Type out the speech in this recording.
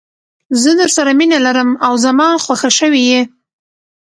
زه درسره مینه لرم او زما خوښه شوي یې.